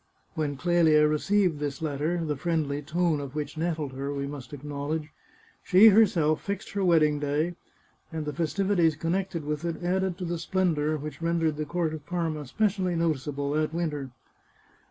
When Clelia received this letter — the friendly tone of which nettled her, we must acknowledge — she herself fixed her wedding day, and the festivities connected with it added to the splendour which rendered the court of Parma specially noticeable that winter.